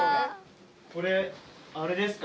これあれですか？